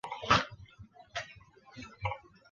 协助训练。